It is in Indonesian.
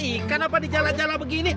ikan apa dijalan jalan begini